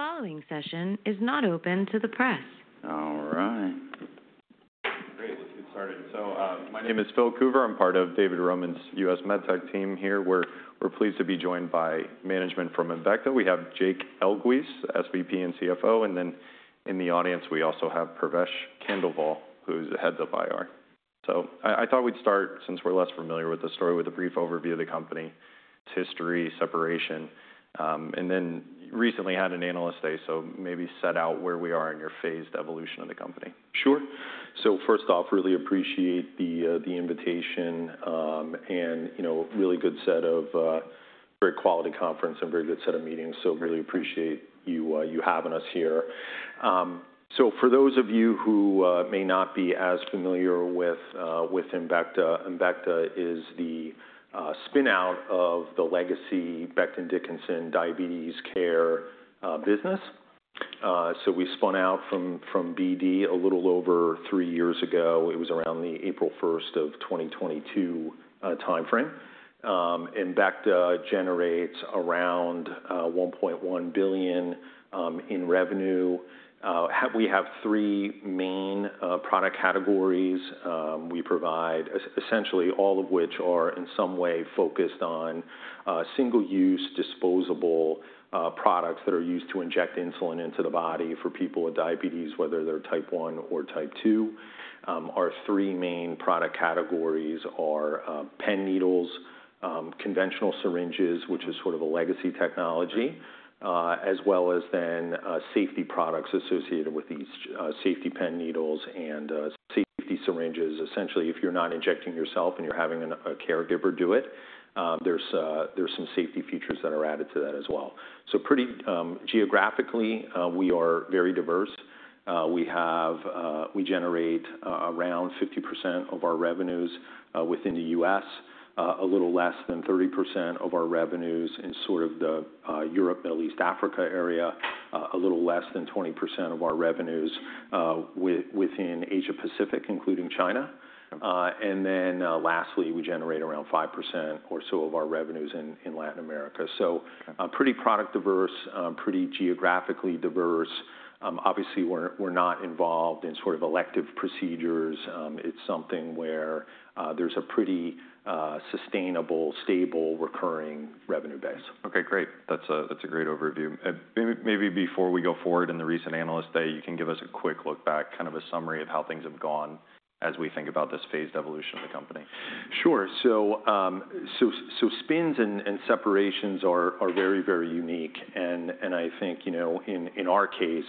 Following session is not open to the press. All right. Great. Let's get started. My name is Phil Coover. I'm part of David Roman's U.S. MedTech team here. We're pleased to be joined by management from Embecta. We have Jake Elguicze, SVP and CFO. In the audience, we also have Pravesh Khandelwal, who's the head of IR. I thought we'd start, since we're less familiar with the story, with a brief overview of the company, its history, separation, and then recently had an analyst day, so maybe set out where we are in your phased evolution of the company. Sure. First off, really appreciate the invitation and a really good set of very quality conferences and a very good set of meetings. Really appreciate you having us here. For those of you who may not be as familiar with Embecta, Embecta is the spinout of the legacy Becton Dickinson Diabetes Care Business. We spun out from BD a little over three years ago. It was around the April 1st of 2022 timeframe. Embecta generates around $1.1 billion in revenue. We have three main product categories we provide, essentially all of which are in some way focused on single-use disposable products that are used to inject insulin into the body for people with diabetes, whether they are type 1 or type 2. Our three main product categories are pen needles, conventional syringes, which is sort of a legacy technology, as well as then safety products associated with these safety pen needles and safety syringes. Essentially, if you're not injecting yourself and you're having a caregiver do it, there's some safety features that are added to that as well. Geographically, we are very diverse. We generate around 50% of our revenues within the U.S., a little less than 30% of our revenues in sort of the Europe/East Africa area, a little less than 20% of our revenues within Asia-Pacific, including China. Lastly, we generate around 5% or so of our revenues in Latin America. Pretty product diverse, pretty geographically diverse. Obviously, we're not involved in sort of elective procedures. It's something where there's a pretty sustainable, stable, recurring revenue base. Okay. Great. That's a great overview. Maybe before we go forward, in the recent analyst day, you can give us a quick look back, kind of a summary of how things have gone as we think about this phased evolution of the company. Sure. spins and separations are very, very unique. I think in our case,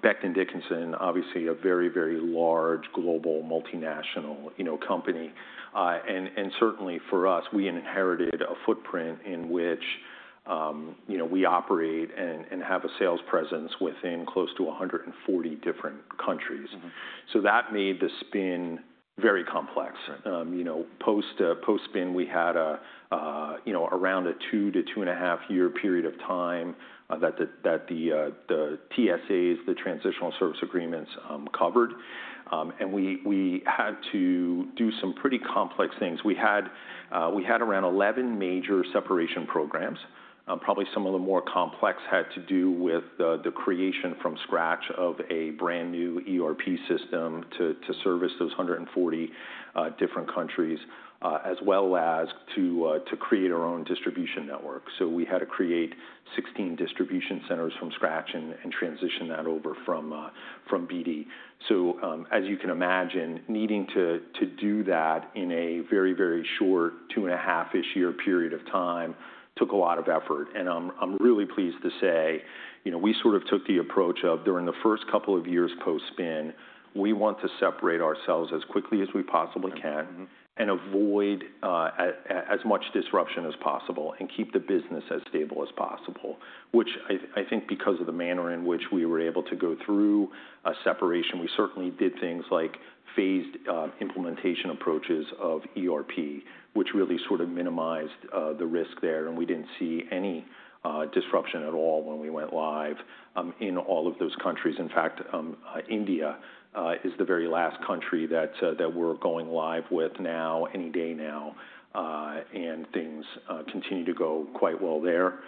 Becton Dickinson is obviously a very, very large global multinational company. Certainly for us, we inherited a footprint in which we operate and have a sales presence within close to 140 different countries. That made the spin very complex. Post-spin, we had around a two- to two and a half-year period of time that the TSAs, the transitional service agreements, covered. We had to do some pretty complex things. We had around 11 major separation programs. Probably some of the more complex had to do with the creation from scratch of a brand new ERP system to service those 140 different countries, as well as to create our own distribution network. We had to create 16 distribution centers from scratch and transition that over from BD. As you can imagine, needing to do that in a very, very short two and a half-ish year period of time took a lot of effort. I'm really pleased to say we sort of took the approach of, during the first couple of years post-spin, we want to separate ourselves as quickly as we possibly can and avoid as much disruption as possible and keep the business as stable as possible, which I think because of the manner in which we were able to go through a separation, we certainly did things like phased implementation approaches of ERP, which really sort of minimized the risk there. We did not see any disruption at all when we went live in all of those countries. In fact, India is the very last country that we are going live with now, any day now, and things continue to go quite well there.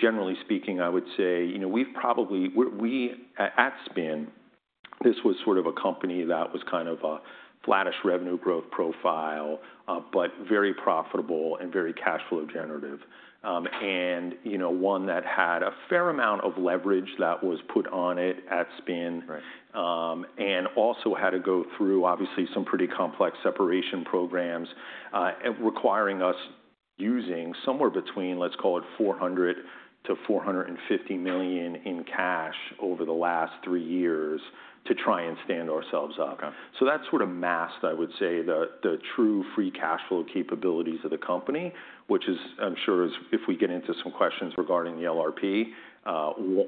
Generally speaking, I would say we've probably at spin, this was sort of a company that was kind of a flattish revenue growth profile, but very profitable and very cash flow generative, and one that had a fair amount of leverage that was put on it at spin, and also had to go through, obviously, some pretty complex separation programs, requiring us using somewhere between, let's call it, $400 million-$450 million in cash over the last three years to try and stand ourselves up. That sort of masked, I would say, the true free cash flow capabilities of the company, which is, I'm sure, if we get into some questions regarding the LRP,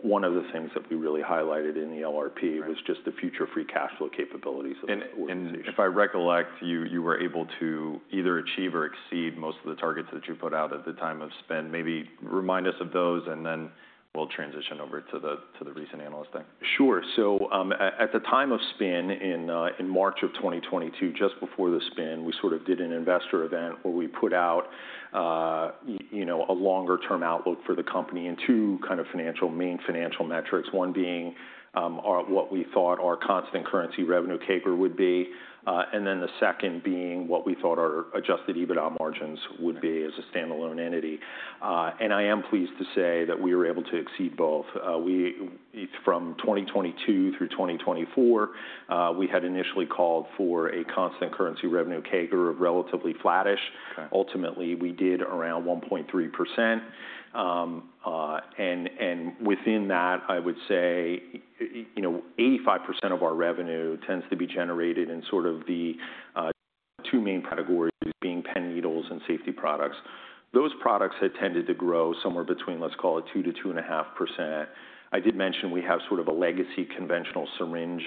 one of the things that we really highlighted in the LRP was just the future free cash flow capabilities. If I recollect, you were able to either achieve or exceed most of the targets that you put out at the time of spin. Maybe remind us of those, and then we'll transition over to the recent analyst thing. Sure. At the time of spin, in March of 2022, just before the spin, we sort of did an investor event where we put out a longer-term outlook for the company in two kind of main financial metrics, one being what we thought our constant currency revenue CAGR would be, and then the second being what we thought our adjusted EBITDA margins would be as a standalone entity. I am pleased to say that we were able to exceed both. From 2022 through 2024, we had initially called for a constant currency revenue CAGR of relatively flattish. Ultimately, we did around 1.3%. Within that, I would say 85% of our revenue tends to be generated in sort of the two main categories being pen needles and safety products. Those products had tended to grow somewhere between, let's call it, 2-2.5%. I did mention we have sort of a legacy conventional syringe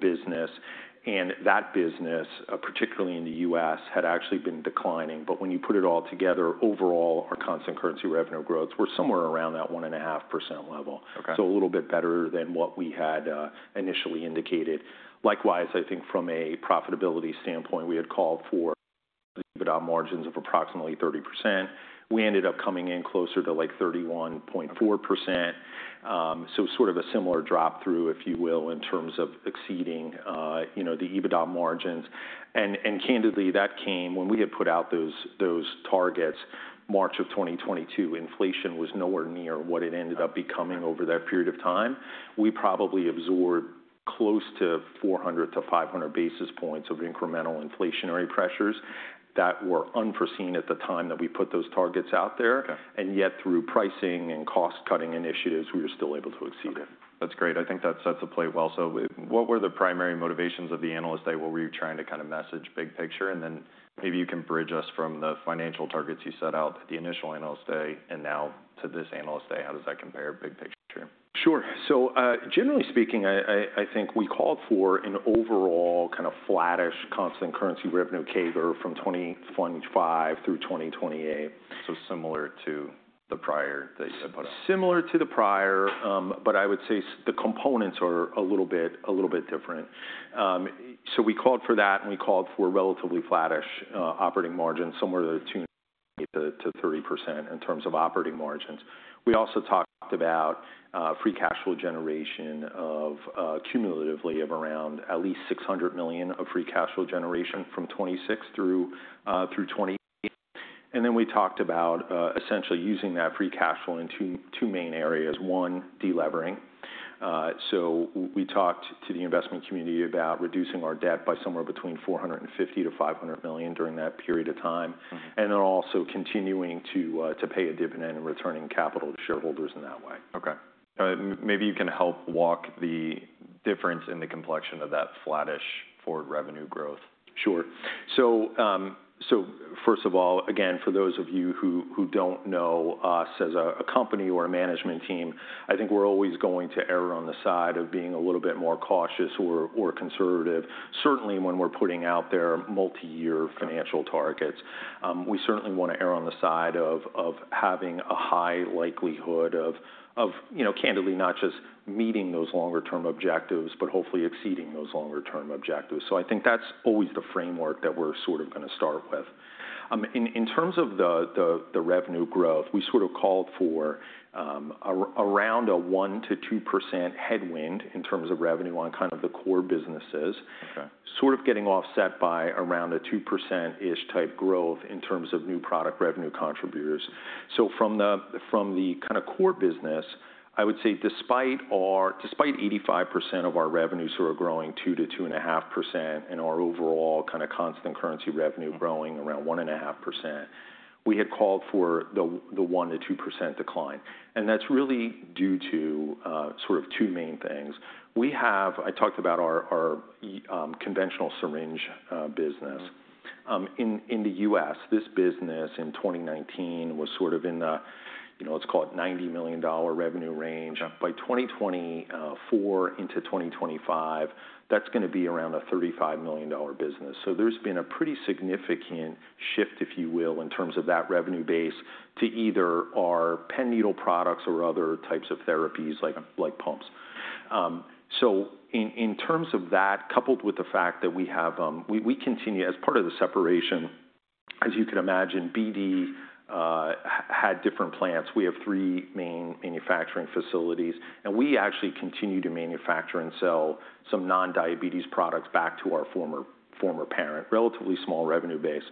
business. That business, particularly in the U.S., had actually been declining. When you put it all together, overall, our constant currency revenue growths were somewhere around that 1.5% level, so a little bit better than what we had initially indicated. Likewise, I think from a profitability standpoint, we had called for EBITDA margins of approximately 30%. We ended up coming in closer to like 31.4%. Sort of a similar drop through, if you will, in terms of exceeding the EBITDA margins. Candidly, that came when we had put out those targets, March of 2022, inflation was nowhere near what it ended up becoming over that period of time. We probably absorbed close to 400-500 basis points of incremental inflationary pressures that were unforeseen at the time that we put those targets out there. Yet through pricing and cost-cutting initiatives, we were still able to exceed it. Okay. That's great. I think that sets the plate well. What were the primary motivations of the analyst day? What were you trying to kind of message big picture? Maybe you can bridge us from the financial targets you set out at the initial analyst day and now to this analyst day. How does that compare big picture? Sure. So generally speaking, I think we called for an overall kind of flattish constant currency revenue CAGR from 2025 through 2028. Similar to the prior that you had put out? Similar to the prior, but I would say the components are a little bit different. We called for that, and we called for relatively flattish operating margins, somewhere to [28%-30%] in terms of operating margins. We also talked about free cash flow generation of cumulatively around at least $600 million of free cash flow generation from 2026 through 2028. We talked about essentially using that free cash flow in two main areas. One, delevering. We talked to the investment community about reducing our debt by somewhere between $450-$500 million during that period of time, and also continuing to pay a dividend and returning capital to shareholders in that way. Okay. Maybe you can help walk the difference in the complexion of that flattish forward revenue growth. Sure. First of all, again, for those of you who do not know us as a company or a management team, I think we are always going to err on the side of being a little bit more cautious or conservative, certainly when we are putting out there multi-year financial targets. We certainly want to err on the side of having a high likelihood of candidly not just meeting those longer-term objectives, but hopefully exceeding those longer-term objectives. I think that is always the framework that we are sort of going to start with. In terms of the revenue growth, we sort of called for around a 1-2% headwind in terms of revenue on kind of the core businesses, sort of getting offset by around a 2%-ish type growth in terms of new product revenue contributors. From the kind of core business, I would say despite 85% of our revenues that are growing 2-2.5% and our overall kind of constant currency revenue growing around 1.5%, we had called for the 1-2% decline. That is really due to sort of two main things. I talked about our conventional syringe business. In the U.S., this business in 2019 was sort of in the, let's call it, $90 million revenue range. By 2024 into 2025, that is going to be around a $35 million business. There has been a pretty significant shift, if you will, in terms of that revenue base to either our pen needle products or other types of therapies like pumps. In terms of that, coupled with the fact that we continue, as part of the separation, as you can imagine, BD had different plants. We have three main manufacturing facilities, and we actually continue to manufacture and sell some non-diabetes products back to our former parent, relatively small revenue base.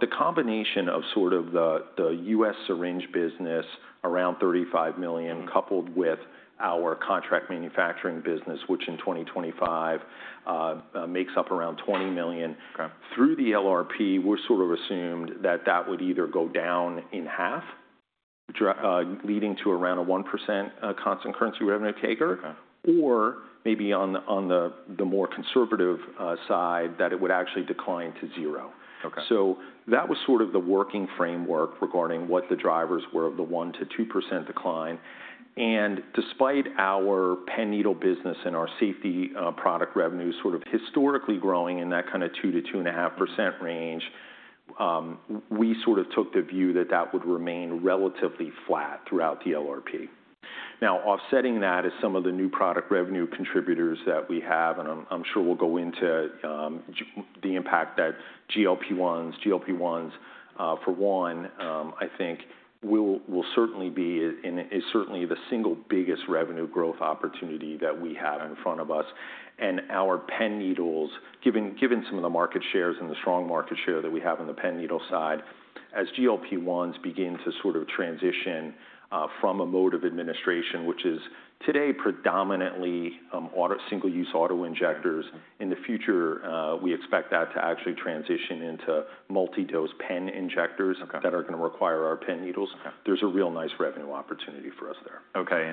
The combination of sort of the U.S. syringe business, around $35 million, coupled with our contract manufacturing business, which in 2025 makes up around $20 million, through the LRP, we've sort of assumed that that would either go down in half, leading to around a 1% constant currency revenue CAGR, or maybe on the more conservative side that it would actually decline to zero. That was sort of the working framework regarding what the drivers were of the 1-2% decline. Despite our pen needle business and our safety product revenues sort of historically growing in that kind of 2-2.5% range, we sort of took the view that that would remain relatively flat throughout the LRP. Now, offsetting that is some of the new product revenue contributors that we have, and I'm sure we'll go into the impact that GLP-1s, GLP-1s for one, I think, will certainly be and is certainly the single biggest revenue growth opportunity that we had in front of us. Our pen needles, given some of the market shares and the strong market share that we have on the pen needle side, as GLP-1s begin to sort of transition from a mode of administration, which is today predominantly single-use auto injectors, in the future, we expect that to actually transition into multi-dose pen injectors that are going to require our pen needles. There's a real nice revenue opportunity for us there. Okay.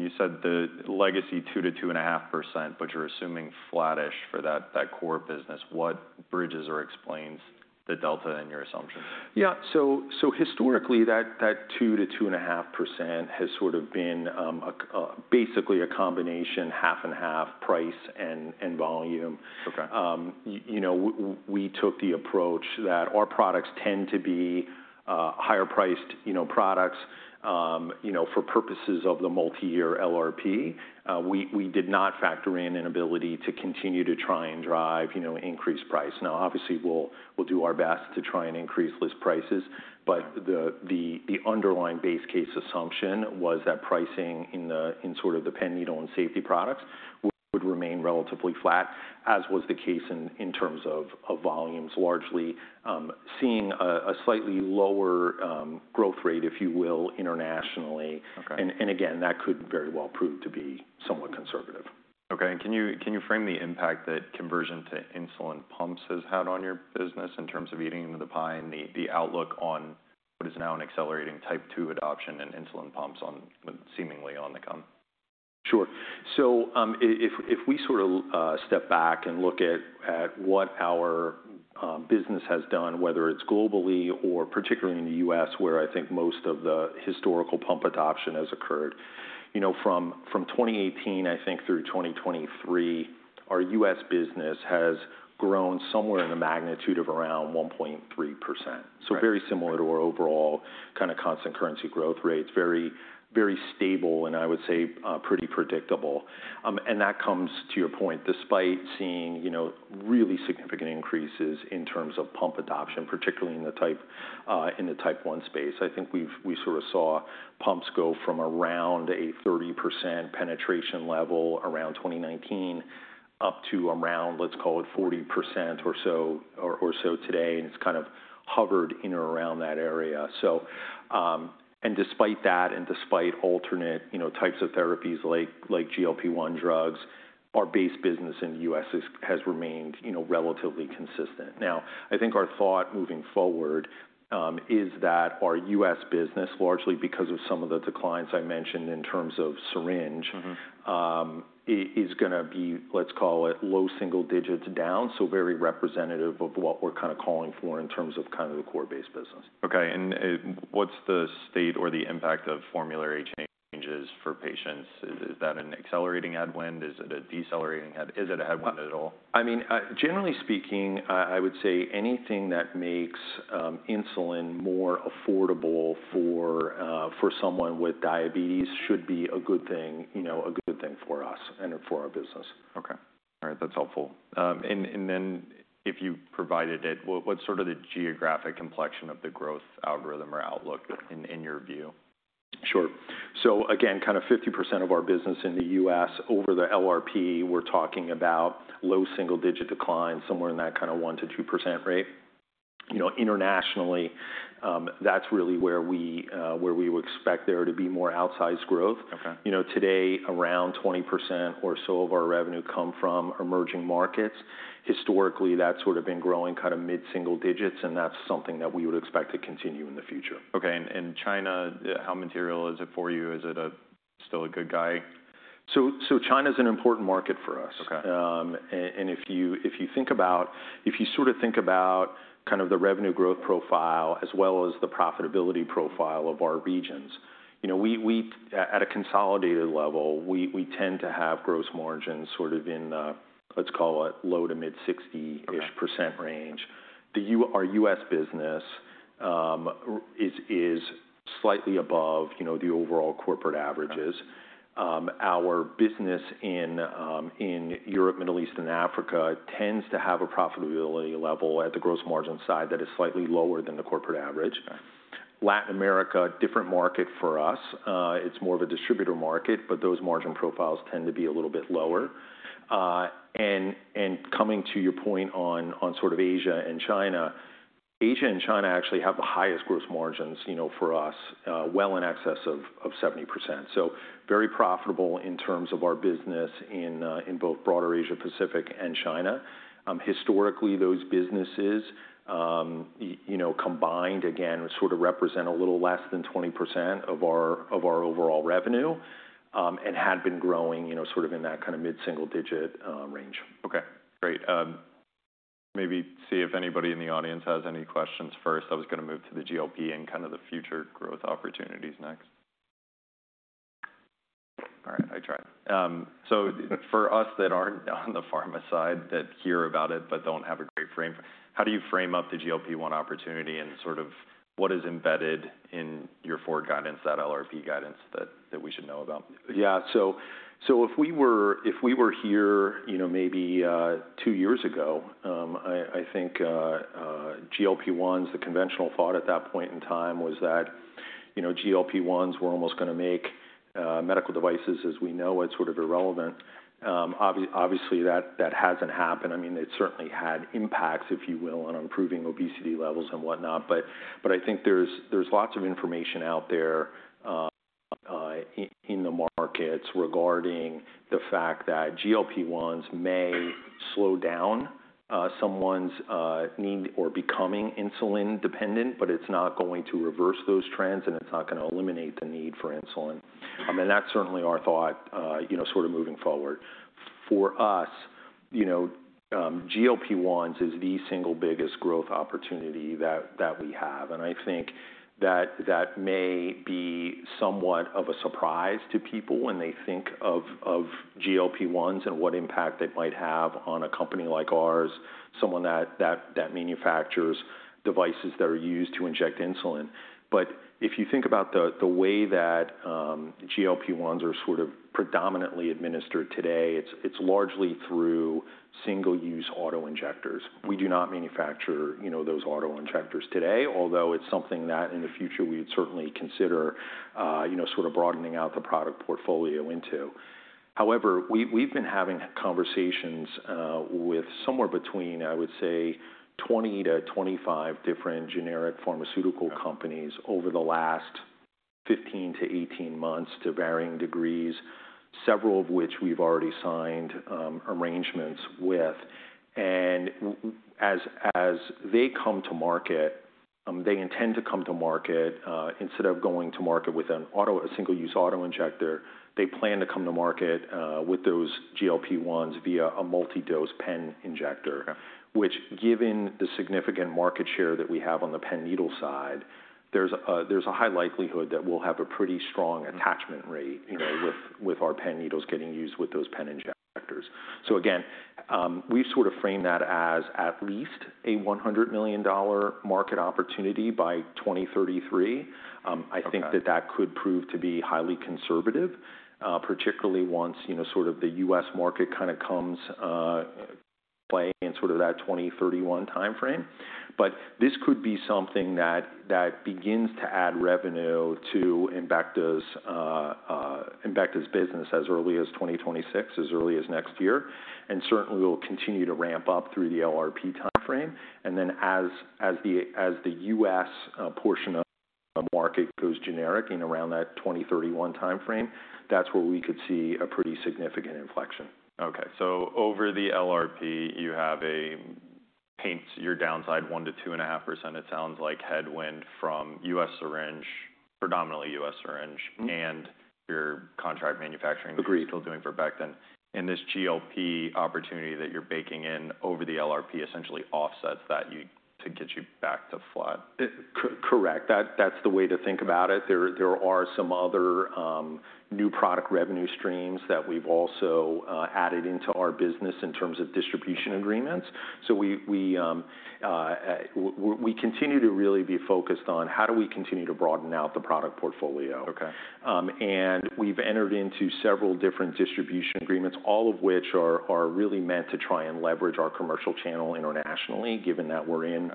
You said the legacy 2-2.5%, but you're assuming flattish for that core business. What bridges or explains the delta in your assumptions? Yeah. Historically, that 2-2.5% has sort of been basically a combination half and half price and volume. We took the approach that our products tend to be higher-priced products for purposes of the multi-year LRP. We did not factor in an ability to continue to try and drive increased price. Now, obviously, we'll do our best to try and increase list prices, but the underlying base case assumption was that pricing in sort of the pen needle and safety products would remain relatively flat, as was the case in terms of volumes, largely seeing a slightly lower growth rate, if you will, internationally. Again, that could very well prove to be somewhat conservative. Okay. Can you frame the impact that conversion to insulin pumps has had on your business in terms of eating into the pie and the outlook on what is now an accelerating type 2 adoption and insulin pumps seemingly on the come? Sure. If we sort of step back and look at what our business has done, whether it's globally or particularly in the U.S., where I think most of the historical pump adoption has occurred, from 2018, I think, through 2023, our U.S. business has grown somewhere in the magnitude of around 1.3%. Very similar to our overall kind of constant currency growth rates, very stable, and I would say pretty predictable. That comes to your point, despite seeing really significant increases in terms of pump adoption, particularly in the type 1 space. I think we sort of saw pumps go from around a 30% penetration level around 2019 up to around, let's call it, 40% or so today, and it's kind of hovered in or around that area. Despite that and despite alternate types of therapies like GLP-1 drugs, our base business in the U.S. has remained relatively consistent. I think our thought moving forward is that our U.S. business, largely because of some of the declines I mentioned in terms of syringe, is going to be, let's call it, low single digits down, so very representative of what we're kind of calling for in terms of kind of the core base business. Okay. What is the state or the impact of formulary changes for patients? Is that an accelerating headwind? Is it a decelerating headwind? Is it a headwind at all? I mean, generally speaking, I would say anything that makes insulin more affordable for someone with diabetes should be a good thing for us and for our business. Okay. All right. That's helpful. If you provided it, what's sort of the geographic complexion of the growth algorithm or outlook in your view? Sure. So again, kind of 50% of our business in the U.S. over the LRP, we're talking about low single-digit declines, somewhere in that kind of 1%-2% rate. Internationally, that's really where we would expect there to be more outsized growth. Today, around 20% or so of our revenue come from emerging markets. Historically, that's sort of been growing kind of mid-single digits, and that's something that we would expect to continue in the future. Okay. China, how material is it for you? Is it still a good guy? China is an important market for us. If you sort of think about kind of the revenue growth profile as well as the profitability profile of our regions, at a consolidated level, we tend to have gross margins sort of in, let's call it, low to mid-60% range. Our U.S. business is slightly above the overall corporate averages. Our business in Europe, Middle East, and Africa tends to have a profitability level at the gross margin side that is slightly lower than the corporate average. Latin America, different market for us. It's more of a distributor market, but those margin profiles tend to be a little bit lower. Coming to your point on sort of Asia and China, Asia and China actually have the highest gross margins for us, well in excess of 70%. Very profitable in terms of our business in both broader Asia-Pacific and China. Historically, those businesses combined, again, sort of represent a little less than 20% of our overall revenue and had been growing sort of in that kind of mid-single digit range. Okay. Great. Maybe see if anybody in the audience has any questions first. I was going to move to the GLP and kind of the future growth opportunities next. All right. I tried. So for us that aren't on the pharma side that hear about it but don't have a great frame, how do you frame up the GLP-1 opportunity and sort of what is embedded in your forward guidance, that LRP guidance that we should know about? Yeah. If we were here maybe two years ago, I think GLP-1s, the conventional thought at that point in time was that GLP-1s were almost going to make medical devices as we know it sort of irrelevant. Obviously, that has not happened. I mean, it certainly had impacts, if you will, on improving obesity levels and whatnot. I think there is lots of information out there in the markets regarding the fact that GLP-1s may slow down someone's need or becoming insulin-dependent, but it is not going to reverse those trends, and it is not going to eliminate the need for insulin. I mean, that is certainly our thought sort of moving forward. For us, GLP-1s is the single biggest growth opportunity that we have. I think that may be somewhat of a surprise to people when they think of GLP-1s and what impact it might have on a company like ours, someone that manufactures devices that are used to inject insulin. If you think about the way that GLP-1s are sort of predominantly administered today, it's largely through single-use auto injectors. We do not manufacture those auto injectors today, although it's something that in the future we would certainly consider sort of broadening out the product portfolio into. However, we've been having conversations with somewhere between 20-25 different generic pharmaceutical companies over the last 15-18 months to varying degrees, several of which we've already signed arrangements with. As they come to market, they intend to come to market instead of going to market with a single-use auto injector, they plan to come to market with those GLP-1s via a multi-dose pen injector, which, given the significant market share that we have on the pen needle side, there's a high likelihood that we'll have a pretty strong attachment rate with our pen needles getting used with those pen injectors. We have sort of framed that as at least a $100 million market opportunity by 2033. I think that that could prove to be highly conservative, particularly once sort of the U.S. market kind of comes into play in sort of that 2031 timeframe. This could be something that begins to add revenue to Embecta's business as early as 2026, as early as next year, and certainly will continue to ramp up through the LRP timeframe. As the U.S. portion of the market goes generic in around that 2031 timeframe, that's where we could see a pretty significant inflection. Okay. Over the LRP, you have a, paint your downside 1%-2.5% it sounds like, headwind from U.S. syringe, predominantly U.S. syringe, and your contract manufacturing is still doing for Becton. This GLP opportunity that you're baking in over the LRP essentially offsets that to get you back to flat. Correct. That's the way to think about it. There are some other new product revenue streams that we've also added into our business in terms of distribution agreements. We continue to really be focused on how do we continue to broaden out the product portfolio. We have entered into several different distribution agreements, all of which are really meant to try and leverage our commercial channel internationally, given that we are in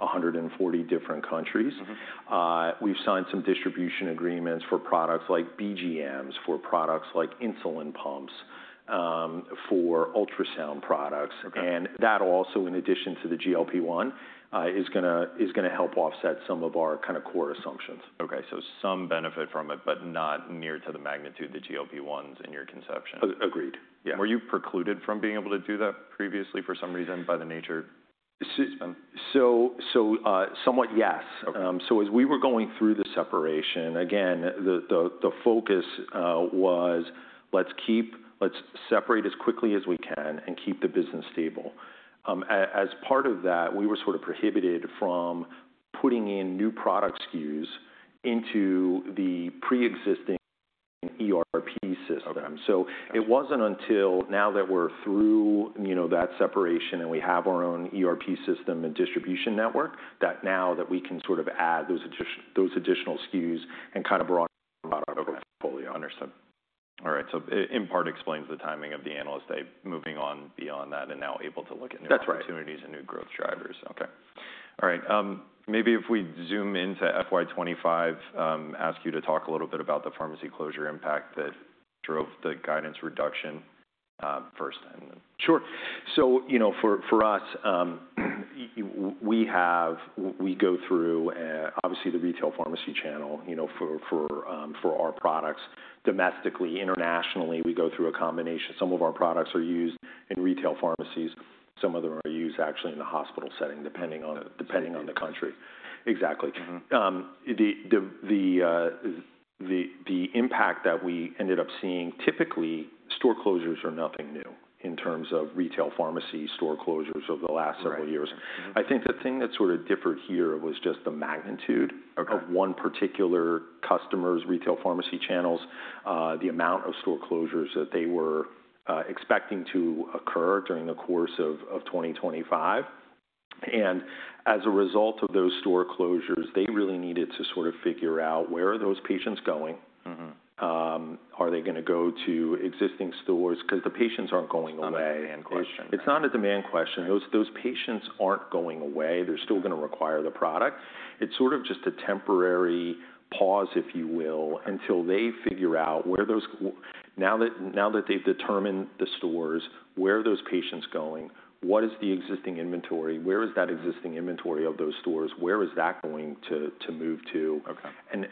140 different countries. We have signed some distribution agreements for products like BGMs, for products like insulin pumps, for ultrasound products. That also, in addition to the GLP-1, is going to help offset some of our kind of core assumptions. Okay. So some benefit from it, but not near to the magnitude of the GLP-1s in your conception. Agreed. Yeah. Were you precluded from being able to do that previously for some reason by the nature of the spend? Somewhat, yes. As we were going through the separation, again, the focus was, let's separate as quickly as we can and keep the business stable. As part of that, we were sort of prohibited from putting in new product SKUs into the pre-existing ERP system. It was not until now that we are through that separation and we have our own ERP system and distribution network that now we can sort of add those additional SKUs and kind of broaden our portfolio. Understood. All right. In part explains the timing of the analyst moving on beyond that and now able to look at new opportunities and new growth drivers. That's right. Okay. All right. Maybe if we zoom into FY25, ask you to talk a little bit about the pharmacy closure impact that drove the guidance reduction first. Sure. For us, we go through, obviously, the retail pharmacy channel for our products domestically. Internationally, we go through a combination. Some of our products are used in retail pharmacies. Some of them are used actually in the hospital setting, depending on the country. Exactly. The impact that we ended up seeing, typically, store closures are nothing new in terms of retail pharmacy store closures over the last several years. I think the thing that sort of differed here was just the magnitude of one particular customer's retail pharmacy channels, the amount of store closures that they were expecting to occur during the course of 2025. As a result of those store closures, they really needed to sort of figure out where are those patients going? Are they going to go to existing stores? Because the patients aren't going away. Not a demand question. It's not a demand question. Those patients aren't going away. They're still going to require the product. It's sort of just a temporary pause, if you will, until they figure out where those, now that they've determined the stores, where are those patients going? What is the existing inventory? Where is that existing inventory of those stores? Where is that going to move to?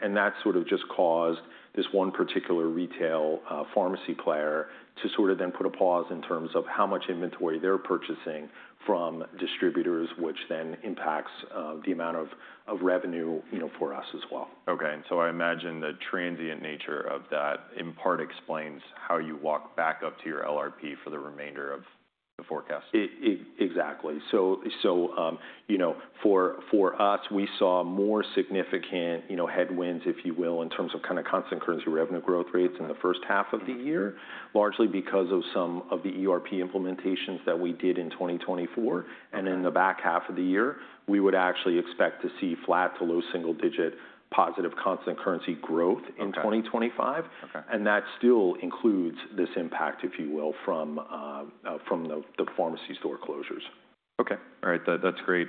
That sort of just caused this one particular retail pharmacy player to sort of then put a pause in terms of how much inventory they're purchasing from distributors, which then impacts the amount of revenue for us as well. Okay. I imagine the transient nature of that in part explains how you walk back up to your LRP for the remainder of the forecast. Exactly. For us, we saw more significant headwinds, if you will, in terms of kind of constant currency revenue growth rates in the first half of the year, largely because of some of the ERP implementations that we did in 2024. In the back half of the year, we would actually expect to see flat to low single-digit positive constant currency growth in 2025. That still includes this impact, if you will, from the pharmacy store closures. Okay. All right. That's great.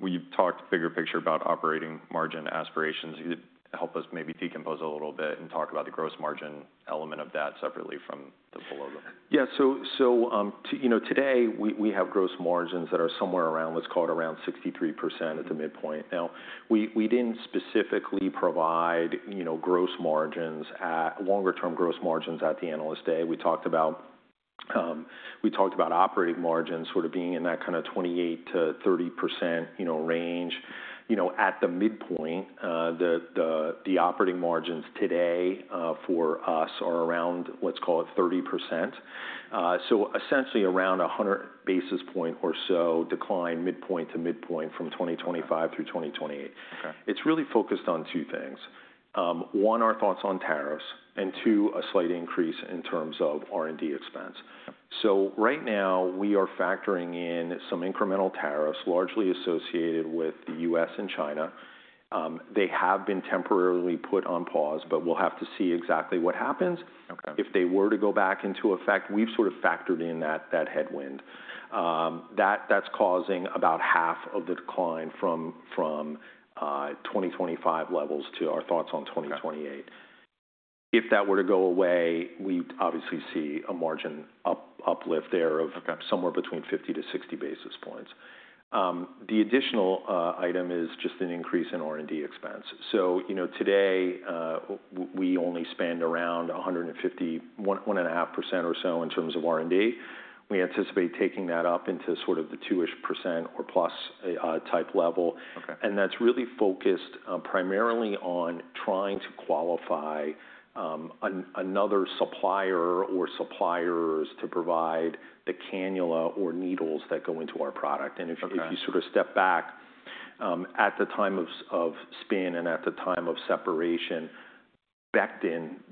We talked bigger picture about operating margin aspirations. Help us maybe decompose a little bit and talk about the gross margin element of that separately from the below. Yeah. Today, we have gross margins that are somewhere around, let's call it around 63% at the midpoint. Now, we didn't specifically provide longer-term gross margins at the analyst day. We talked about operating margins sort of being in that kind of 28%-30% range. At the midpoint, the operating margins today for us are around, let's call it, 30%. Essentially around a 100 basis point or so decline midpoint to midpoint from 2025 through 2028. It's really focused on two things. One, our thoughts on tariffs, and two, a slight increase in terms of R&D expense. Right now, we are factoring in some incremental tariffs largely associated with the U.S. and China. They have been temporarily put on pause, but we'll have to see exactly what happens. If they were to go back into effect, we've sort of factored in that headwind. That's causing about half of the decline from 2025 levels to our thoughts on 2028. If that were to go away, we obviously see a margin uplift there of somewhere between 50-60 basis points. The additional item is just an increase in R&D expense. Today, we only spend around [$150 million, 1.5% or so in terms of R&D. We anticipate taking that up into sort of the 2% or plus type level. That is really focused primarily on trying to qualify another supplier or suppliers to provide the cannula or needles that go into our product. If you sort of step back at the time of spin and at the time of separation,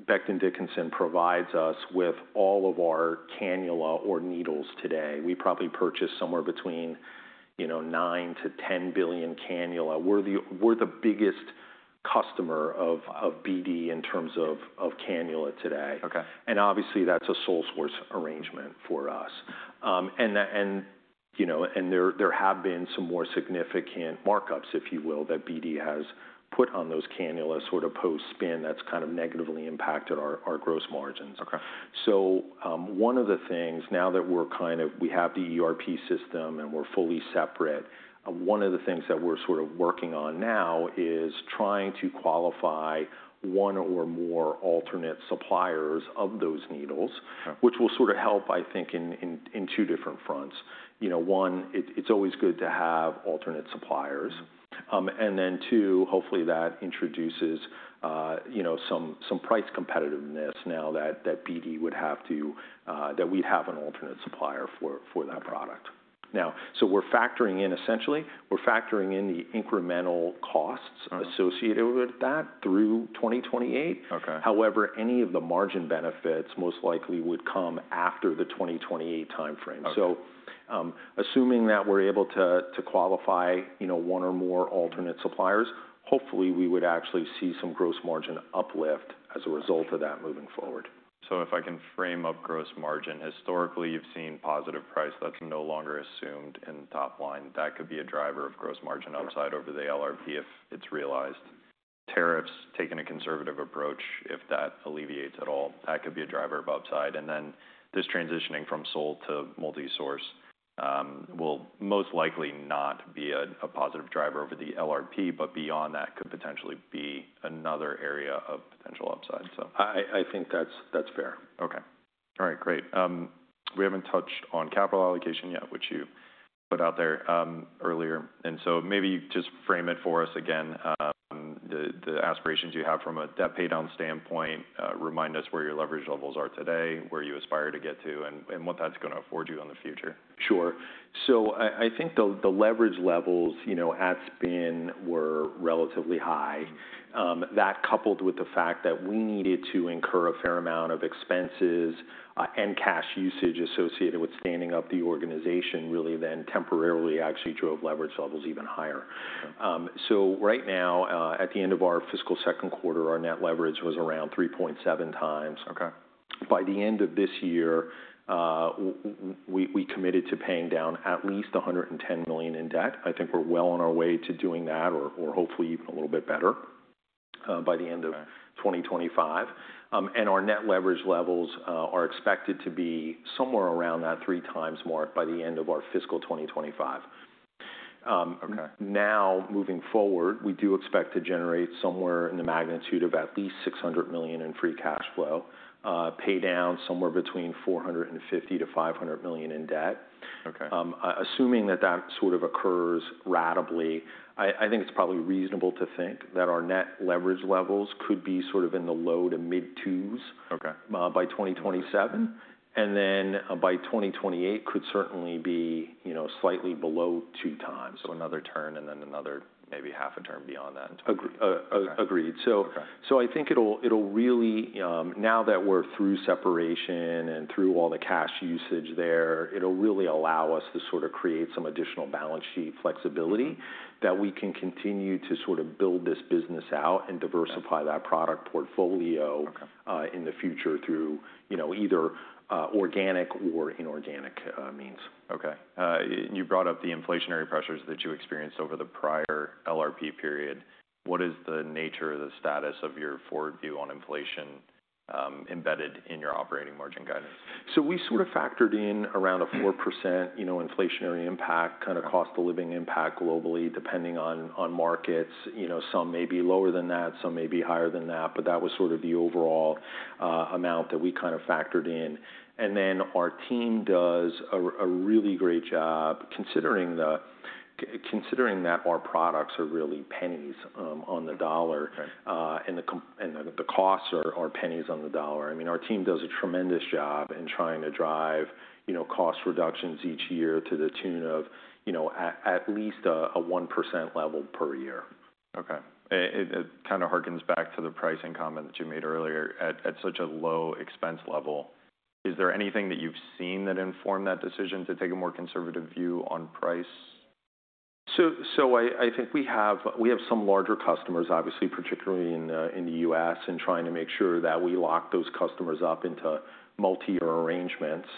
Becton Dickinson provides us with all of our cannula or needles today. We probably purchase somewhere between 9-10 billion cannula. We are the biggest customer of BD in terms of cannula today. Obviously, that's a sole source arrangement for us. There have been some more significant markups, if you will, that BD has put on those cannula sort of post-spin that's kind of negatively impacted our gross margins. One of the things, now that we have the ERP system and we're fully separate, that we're sort of working on now is trying to qualify one or more alternate suppliers of those needles, which will sort of help, I think, in two different fronts. One, it's always good to have alternate suppliers. Two, hopefully, that introduces some price competitiveness now that BD would have to, that we'd have an alternate supplier for that product. We're factoring in, essentially, we're factoring in the incremental costs associated with that through 2028. However, any of the margin benefits most likely would come after the 2028 timeframe. Assuming that we're able to qualify one or more alternate suppliers, hopefully, we would actually see some gross margin uplift as a result of that moving forward. If I can frame up gross margin, historically, you've seen positive price. That's no longer assumed in top line. That could be a driver of gross margin upside over the LRP if it's realized. Tariffs, taking a conservative approach, if that alleviates at all, that could be a driver of upside. This transitioning from sole to multi-source will most likely not be a positive driver over the LRP, but beyond that could potentially be another area of potential upside. I think that's fair. Okay. All right. Great. We have not touched on capital allocation yet, which you put out there earlier. Maybe you just frame it for us again. The aspirations you have from a debt paydown standpoint, remind us where your leverage levels are today, where you aspire to get to, and what that is going to afford you in the future. Sure. I think the leverage levels at spin were relatively high. That coupled with the fact that we needed to incur a fair amount of expenses and cash usage associated with standing up the organization really then temporarily actually drove leverage levels even higher. Right now, at the end of our fiscal second quarter, our net leverage was around 3.7 times. By the end of this year, we committed to paying down at least $110 million in debt. I think we're well on our way to doing that or hopefully even a little bit better by the end of 2025. Our net leverage levels are expected to be somewhere around that three times mark by the end of our fiscal 2025. Now, moving forward, we do expect to generate somewhere in the magnitude of at least $600 million in free cash flow, pay down somewhere between $450-$500 million in debt. Assuming that that sort of occurs ratably, I think it's probably reasonable to think that our net leverage levels could be sort of in the low to mid-two's by 2027. By 2028, could certainly be slightly below two times. Another turn and then another maybe half a turn beyond that. Agreed. I think it'll really, now that we're through separation and through all the cash usage there, it'll really allow us to sort of create some additional balance sheet flexibility that we can continue to sort of build this business out and diversify that product portfolio in the future through either organic or inorganic means. Okay. You brought up the inflationary pressures that you experienced over the prior Long Range Plan period. What is the nature of the status of your forward view on inflation embedded in your operating margin guidance? We sort of factored in around a 4% inflationary impact, kind of cost of living impact globally, depending on markets. Some may be lower than that. Some may be higher than that. That was sort of the overall amount that we kind of factored in. I mean, our team does a really great job considering that our products are really pennies on the dollar and the costs are pennies on the dollar. I mean, our team does a tremendous job in trying to drive cost reductions each year to the tune of at least a 1% level per year. Okay. It kind of hearkens back to the pricing comment that you made earlier. At such a low expense level, is there anything that you've seen that informed that decision to take a more conservative view on price? I think we have some larger customers, obviously, particularly in the U.S., and trying to make sure that we lock those customers up into multi-year arrangements.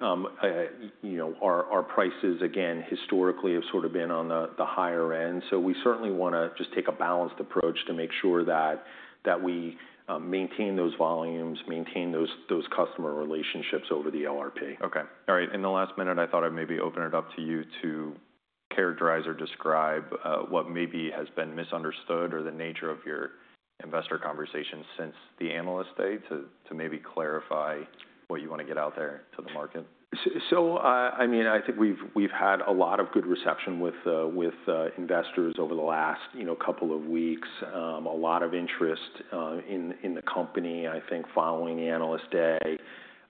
Our prices, again, historically have sort of been on the higher end. We certainly want to just take a balanced approach to make sure that we maintain those volumes, maintain those customer relationships over the LRP. Okay. All right. In the last minute, I thought I'd maybe open it up to you to characterize or describe what maybe has been misunderstood or the nature of your investor conversations since the analyst day to maybe clarify what you want to get out there to the market. I mean, I think we've had a lot of good reception with investors over the last couple of weeks. A lot of interest in the company, I think, following the analyst day.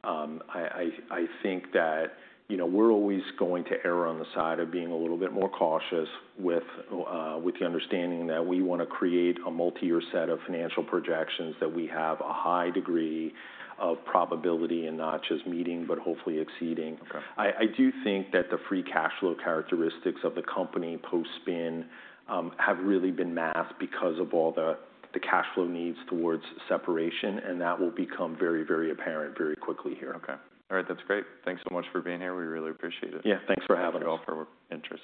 I think that we're always going to err on the side of being a little bit more cautious with the understanding that we want to create a multi-year set of financial projections that we have a high degree of probability and not just meeting, but hopefully exceeding. I do think that the free cash flow characteristics of the company post-spin have really been masked because of all the cash flow needs towards separation. That will become very, very apparent very quickly here. Okay. All right. That's great. Thanks so much for being here. We really appreciate it. Yeah. Thanks for having us. Thank you all for your interest.